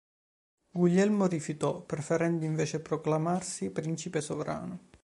Guglielmo rifiutò, preferendo invece proclamarsi "principe sovrano".